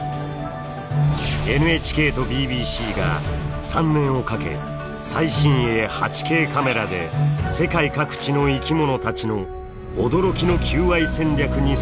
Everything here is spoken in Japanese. ＮＨＫとＢＢＣが３年をかけ最新鋭８Ｋカメラで世界各地の生きものたちの驚きの求愛戦略に迫りました。